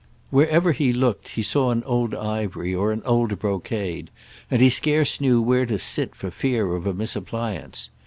Wherever he looked he saw an old ivory or an old brocade, and he scarce knew where to sit for fear of a misappliance.